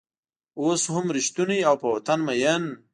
اوس هم رشتونی او په وطن مین